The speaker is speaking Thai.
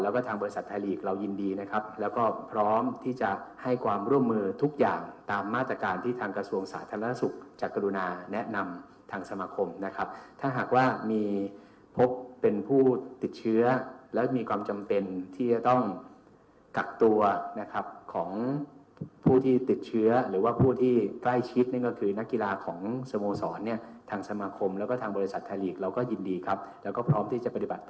และให้ความร่วมมือทุกอย่างตามมาตรการที่ทางกระทรวงสาธารณสุขจากกรุณาแนะนำทางสมคมนะครับถ้าหากว่ามีพบเป็นผู้ติดเชื้อและมีความจำเป็นที่จะต้องกักตัวนะครับของผู้ที่ติดเชื้อหรือว่าผู้ที่ใกล้ชิดนี่ก็คือนักกีฬาของสโมสรเนี่ยทางสมคมแล้วก็ทางบริษัททาลีกเราก็ยินดีครับแล้วก็พร้อมท